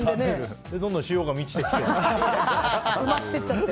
どんどん潮が満ちてきて。